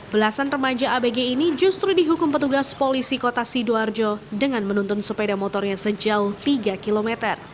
belasan remaja abg ini justru dihukum petugas polisi kota sidoarjo dengan menuntun sepeda motornya sejauh tiga km